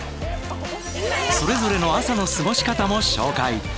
それぞれの朝の過ごし方も紹介。